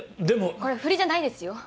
これ振りじゃないですよ？